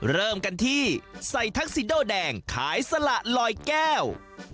เริ่มกันที่ใส่ทักซิโดแดงขายสละลอยแก้ว